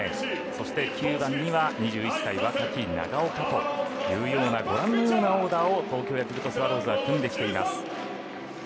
そして９番には２１歳若き、長岡というようなご覧のようなオーダーを東京ヤクルトスワローズは組んできています。